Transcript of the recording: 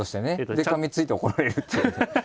でかみついて怒られるっていう。